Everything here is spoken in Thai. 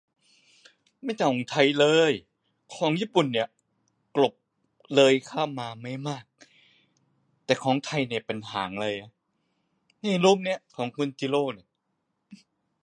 ไม่เท่าของไทยอะฮะ ของญี่ปุ่นนี่กลบเลยข้าวมาไม่มาก ของไทยนี่เป็นหางเลยอะ ในรูปนี่ของลุงจิโร่